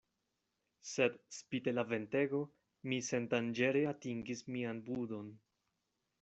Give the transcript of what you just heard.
Sed, spite la ventego, mi sendanĝere atingis mian budon.